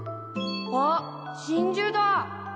あっ真珠だ！